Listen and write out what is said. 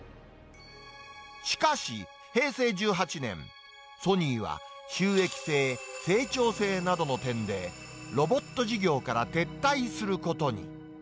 しかし、平成１８年、ソニーは収益性、成長性などの点で、ロボット事業から撤退することに。